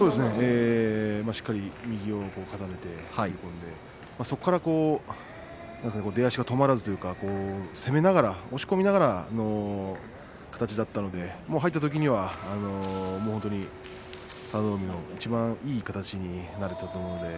しっかり右を固めてそこから出足が止まらずに攻めながら、押し込みながらという形だったので入ったときには佐田の海のいちばんいい形になれたと思います。